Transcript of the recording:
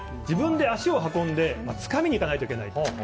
自分で足を運んでつかみに行かないといけない。